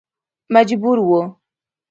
مجبور و.